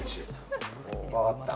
分かった。